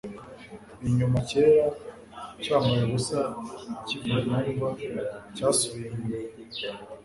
icyuma cyera cyambaye ubusa kiva mu mva cyasubiye inyuma